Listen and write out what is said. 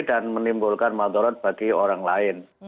dan menimbulkan madorot bagi orang lain